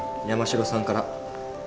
山城さんから。